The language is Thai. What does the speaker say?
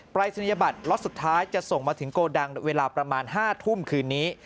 รายศนียบัตรล็อตสุดท้ายจะส่งมาถึงโกดังเวลาประมาณ๕ทุ่มคืนนี้